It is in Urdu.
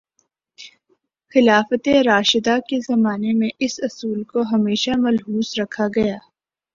خلافتِ راشدہ کے زمانے میں اس اصول کو ہمیشہ ملحوظ رکھا گیا